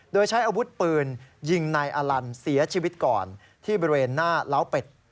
โดยใช้อาวุธปืนยิงนายอลันเสียชีวิตก่อนที่บริเวณหน้าล้าวเป็ด